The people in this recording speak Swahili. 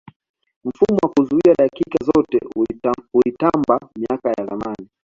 mfumo wa kuzuia dakika zote ulitamba miaka ya zamani